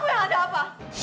kamu yang ada apa